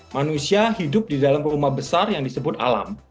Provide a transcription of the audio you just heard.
manusia hidup di dalam rumah besar yang disebut alam